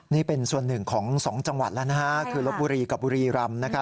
นี่เป็นส่วนหนึ่งของ๒จังหวัดแล้วคือลบบุรีกับบุรีรำ